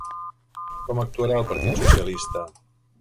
Com actuarà el partit socialista?